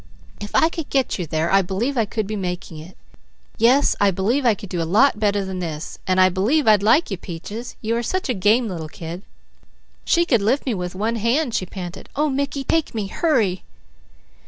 If I could get you there, I believe I could be making it. Yes, I believe I could do a lot better than this, and I believe I'd like you, Peaches, you are such a game little kid." "She could lift me with one hand," she panted. "Oh Mickey, take me! Hurry!"